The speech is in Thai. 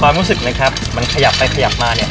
รู้สึกนะครับมันขยับไปขยับมาเนี่ย